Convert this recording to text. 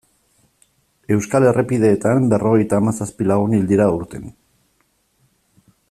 Euskal errepideetan berrogeita hamazazpi lagun hil dira aurten.